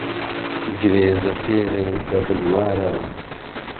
گرێزه تێرێ به بلوارهوه